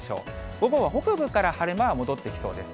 午後は北部から晴れ間が戻ってきそうです。